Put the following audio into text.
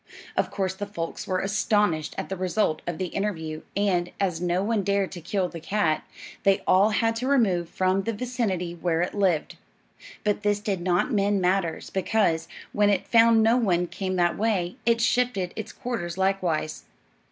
Of course the folks were astonished at this result of the interview, and, as no one dared to kill the cat, they all had to remove from the vicinity where it lived. But this did not mend matters, because, when it found no one came that way, it shifted its quarters likewise.